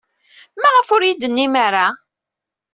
Maɣef ur iyi-d-tennim ara?